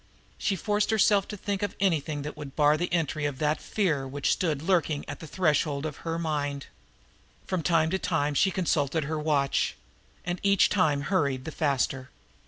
She forced herself to think of anything that would bar the entry of that fear which stood lurking at the threshold of her mind. From time to time she consulted her watch and each time hurried the faster.